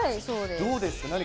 どうですか。